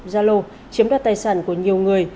gia lô chiếm đoạt tài sản của nhiều người